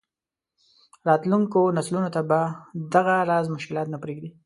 راتلونکو نسلونو ته به دغه راز مشکلات نه پرېږدي.